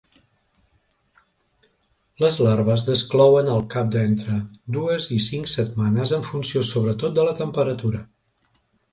Les larves desclouen al cap d'entre dues i cinc setmanes, en funció, sobretot, de la temperatura.